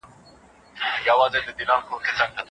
ښځې باید د خپل حق لپاره مبارزه وکړي.